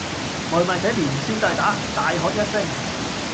外賣仔連消帶打，大喝一聲